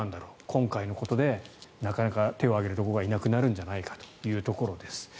今回のことでなかなか手を挙げるところがいなくなるんじゃないかというところです。